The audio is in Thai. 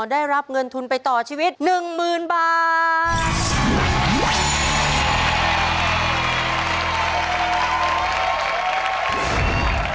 ได้รับเงินทุนไปต่อชีวิต๑๐๐๐บาท